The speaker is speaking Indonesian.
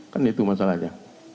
kan itu masalahnya